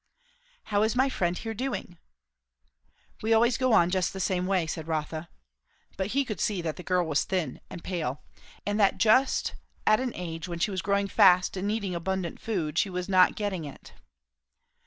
"How is my friend here doing?" "We always go on just the same way," said Rotha. But he could see that the girl was thin, and pale; and that just at an age when she was growing fast and needing abundant food, she was not getting it.